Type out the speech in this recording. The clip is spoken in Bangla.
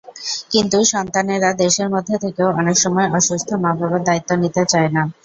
কিন্তু সন্তানেরা দেশের মধ্যে থেকেও অনেক সময় অসুস্থ মা-বাবার দায়িত্ব নিতে চায় না।